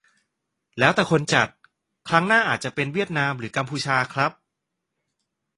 แล้วแต่คนจัด ครั้งหน้าอาจจะเป็นเวียดนามหรือกัมพูชาครับ